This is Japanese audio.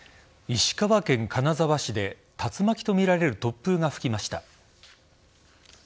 石川県金沢市で竜巻とみられる突風が吹きました。